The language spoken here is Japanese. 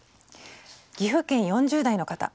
岐阜県４０代の方。